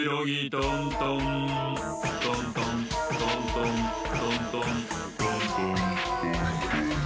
トントントントントントントントントントン。